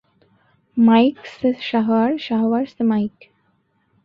Mic সে শাহওয়ার, শাহওয়ার সে mic.